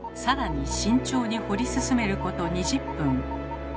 更に慎重に掘り進めること２０分。